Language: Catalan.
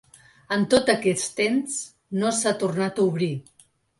En tot aquest temps no s’ha tornat a obrir.